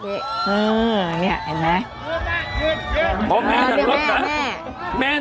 เออนี่เห็นไหม